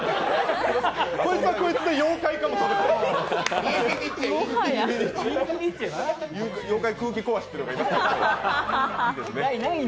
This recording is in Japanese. こいつはこいつで妖怪かもしれない。